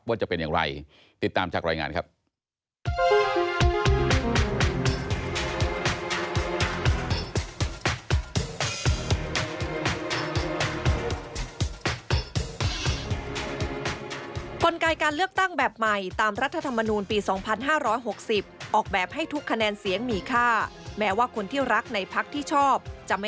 จะเป็นอย่างไรติดตามจากรายงานครับ